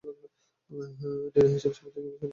Dinner হিসাবে সামুদ্রিক শৈবাল আমাদের জঘন্য লাগতো।